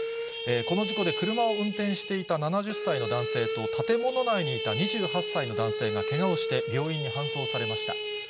この事故で車を運転していた７０歳の男性と建物内にいた２８歳の男性がけがをして病院に搬送されました。